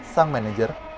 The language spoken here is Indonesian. sang manajer berkata